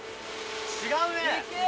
違うね。